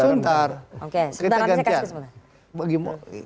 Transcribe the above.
sebentar nanti saya kasih kesempatan